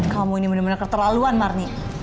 kamu ini bener bener keterlaluan marni